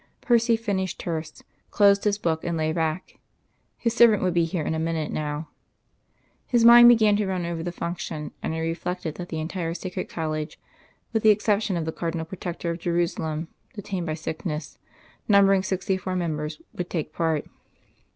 Percy finished Terce, closed his book and lay back; his servant would be here in a minute now. His mind began to run over the function, and he reflected that the entire Sacred College (with the exception of the Cardinal Protector of Jerusalem, detained by sickness), numbering sixty four members, would take part.